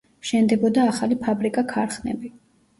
შენდებოდა ახალი ფაბრიკა-ქარხნები.